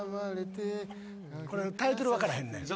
これタイトル分からへんねん。